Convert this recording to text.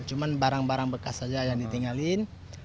cuma barang barang bekas saja yang ditinggalin